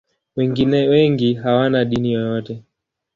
Wengine wengi hawana dini yoyote.